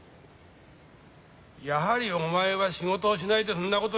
やはりお前は仕事をしないでそんなことに。